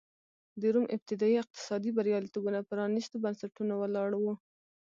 د روم ابتدايي اقتصادي بریالیتوبونه پرانېستو بنسټونو ولاړ و.